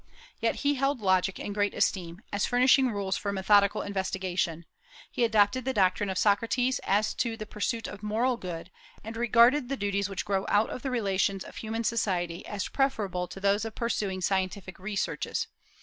Yet he held logic in great esteem, as furnishing rules for methodical investigation. He adopted the doctrine of Socrates as to the pursuit of moral good, and regarded the duties which grow out of the relations of human society as preferable to those of pursuing scientific researches.